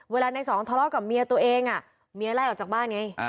เวลาในสองทะเลาะกับเมียตัวเองเมียไล่ออกจากบ้านไง